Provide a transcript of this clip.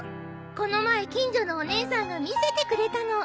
この前近所のお姉さんが見せてくれたの。